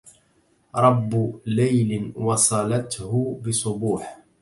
رب ليل وصلته بصبوح